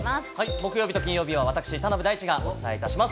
木曜日と金曜日は私、田辺大智がお伝えします。